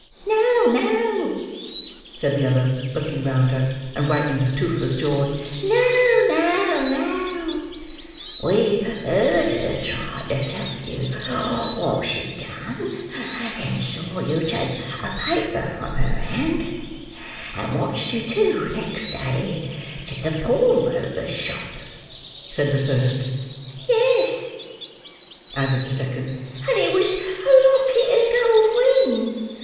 "No, no," said the other, looking round her and wagging her toothless jaws. "No, no, no." "We heard her try to tell you what she'd done, and saw you take a paper from her hand, and watched you too, next day, to the pawnbroker's shop," said the first. "Yes," added the second, "and it was a 'locket and gold ring.